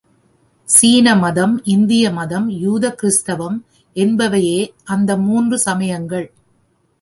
சீன மதம், இந்திய மதம், யூத கிறிஸ்தவம் என்பவையே அந்த மூன்று சமயங்கள்.